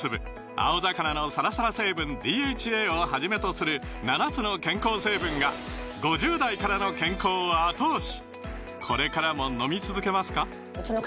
青魚のサラサラ成分ＤＨＡをはじめとする７つの健康成分が５０代からの健康を後押し！